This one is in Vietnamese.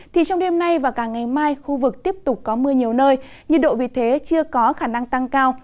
thì trong đêm nay và cả ngày mai khu vực tiếp tục có mưa nhiều nơi nhiệt độ vì thế chưa có khả năng tăng cao